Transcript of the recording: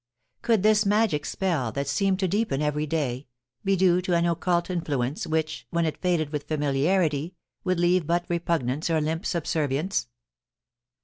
Could this magic spell, that seemed to deepen every day, be due to an occult influence which, when it faded with familiarity, would leave but repugnance or limp subservience